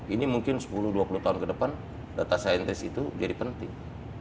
ini mungkin sepuluh dua puluh tahun ke depan data saintis itu jadi penting